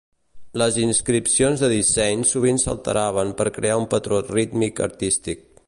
Les inscripcions de disseny sovint s'alteraven per crear un patró rítmic artístic.